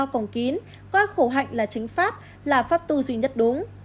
cổng kín có khổ hạnh là chánh pháp là pháp tù duy nhất đúng